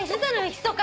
ひそかに。